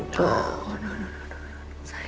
sama pak chandra